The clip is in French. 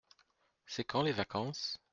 C’est quand les vacances ?